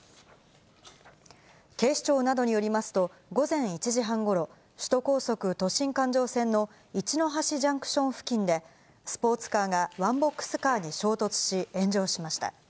警視庁などによりますと、午前１時半ごろ、首都高速都心環状線の一ノ橋ジャンクション付近で、スポーツカーがワンボックスカーに衝突し、炎上しました。